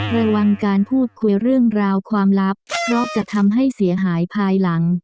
ระวังการพูดคุยเรื่องราวความลับเพราะจะทำให้เสียหายภายหลัง